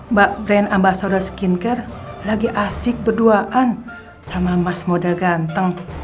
mbak brand ambasauda skincare lagi asik berduaan sama mas moda ganteng